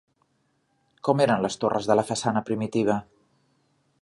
Com eren les torres de la façana primitiva?